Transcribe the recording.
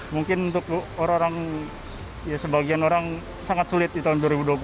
mungkin untuk orang orang ya sebagian orang sangat sulit di tahun dua ribu dua puluh